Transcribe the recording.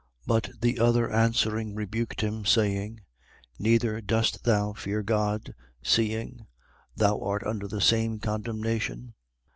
23:40. But the other answering, rebuked him, saying: Neither dost thou fear God, seeing; thou art under the same condemnation?